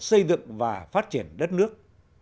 xây dựng và phát triển đất nước